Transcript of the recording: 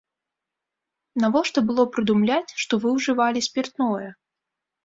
Навошта было прыдумляць, што вы ўжывалі спіртное?